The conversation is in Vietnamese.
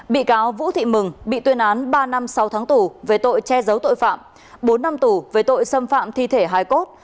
bị cáo vũ thị mừng bị tuyên án ba năm sáu tháng tù về tội che giấu tội phạm bốn năm tù về tội xâm phạm thi thể hai cốt